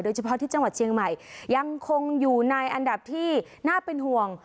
เฉพาะที่จังหวัดเชียงใหม่ยังคงอยู่ในอันดับที่น่าเป็นห่วง